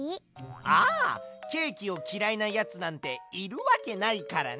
ああケーキをきらいなやつなんているわけないからな！